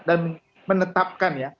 dan menetapkan ya